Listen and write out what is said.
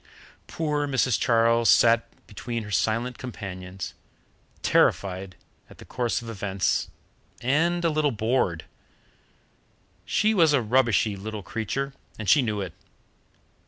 Poor Mrs. Charles sat between her silent companions, terrified at the course of events, and a little bored. She was a rubbishy little creature, and she knew it.